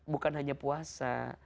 bukan hanya puasa